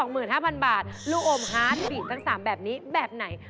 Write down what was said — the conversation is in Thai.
มูลค่า๒๕๐๐๐บาทรูอมฮาร์ดบีตทั้ง๓แบบนี้แบบไหน